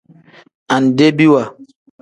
Andebiwa.